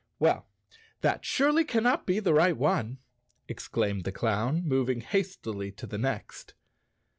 "Well, that surely cannot be the right one," ex¬ claimed the clown, moving hastily to the next.